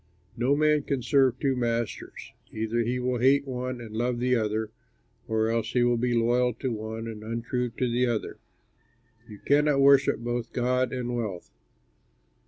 "No man can serve two masters: either he will hate one and love the other, or else he will be loyal to one and untrue to the other. You cannot worship both God and wealth."